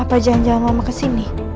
apa jangan jangan mama kesini